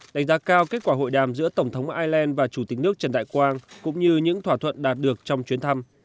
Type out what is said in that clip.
đánh giá cao kết quả hội đàm giữa tổng thống ireland và chủ tịch nước trần đại quang cũng như những thỏa thuận đạt được trong chuyến thăm